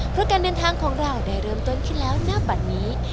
เพราะการเดินทางของเราได้เริ่มต้นขึ้นแล้วณบัตรนี้